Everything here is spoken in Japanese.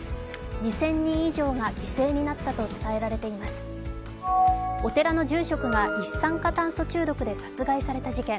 ２０００人以上が犠牲になったと伝えられていますお寺の住職が一酸化炭素中毒で殺害された事件。